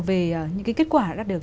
về những cái kết quả đã được